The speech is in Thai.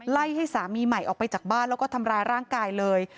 ให้สามีใหม่ออกไปจากบ้านแล้วก็ทำร้ายร่างกายเลย